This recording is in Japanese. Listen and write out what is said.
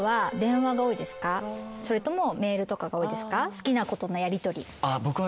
好きな子とのやりとり。